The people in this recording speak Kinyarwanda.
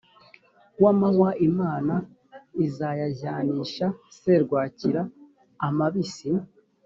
w amahwa imana izayajyanisha serwakira amabisi